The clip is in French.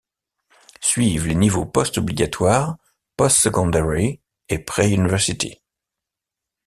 Suivent les niveaux post-obligatoires Post-Secondary et Pre-University.